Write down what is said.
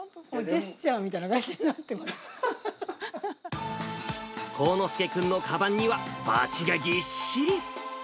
ジェスチャーみたいな幸之助君のかばんには、バチがぎっしり。